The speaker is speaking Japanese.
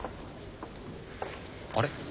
あれ？